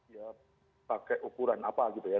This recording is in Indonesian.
ya pakai ukuran apa gitu ya